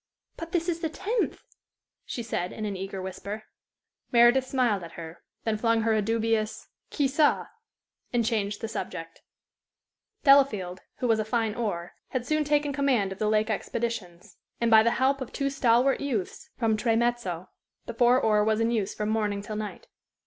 "But this is the tenth!" she said, in an eager whisper. Meredith smiled at her, then flung her a dubious "Chi sa?" and changed the subject. Delafield, who was a fine oar, had soon taken command of the lake expeditions; and by the help of two stalwart youths from Tremezzo, the four oar was in use from morning till night.